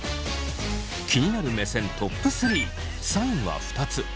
気になる目線トップ３３位は２つ。